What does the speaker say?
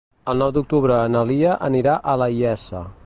El nou d'octubre na Lia anirà a la Iessa.